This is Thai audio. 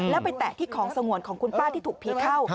แล้วไปแตะที่ของสงวนของคุณป้าที่ถูกผีเข้า